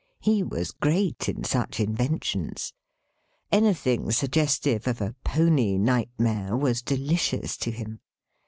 He was great in such inventions. Anything suggestive of a Pony nightmare, was delicious to him.